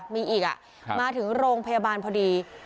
มีอีกมาถึงโรงพยาบาลพอดี